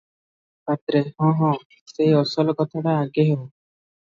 ପାତ୍ରେ- ହଁ ହଁ, ସେହି ଅସଲ କଥାଟା ଆଗେ ହେଉ ।